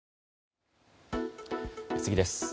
次です。